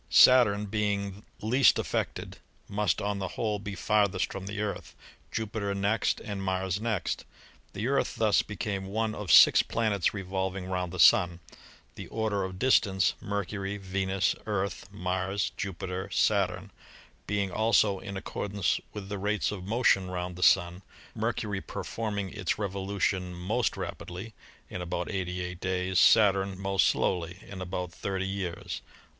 Saturn being least affected, must on the whole be farthest from the Earth, Jupiter next and Mars next. The Earth thus became one of six planets revolving round the Sun, the order of distance — Mercury, Venus, Earth, Mars, Jupiter, Saturn — being also in accordance with the rates of motion round the Sun, Mercury performing its revolution most rapidly (in about 88 days), Saturn most slowly (in about 30 years)."